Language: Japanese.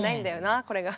これが。